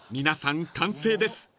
［皆さん完成です］